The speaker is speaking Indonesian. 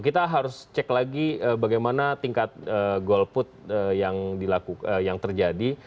kita harus cek lagi bagaimana tingkat golput yang terjadi